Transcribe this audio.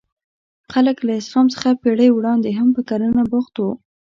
خلک له اسلام څخه پېړۍ وړاندې هم په کرنه بوخت وو.